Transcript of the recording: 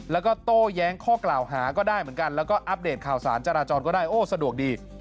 แล้วก็โต้แย้งข้อกล่าวหาก็ได้เหมือนกันแล้วก็อัปเดตข่าวสารจราจรก็ได้โอ้สะดวกดี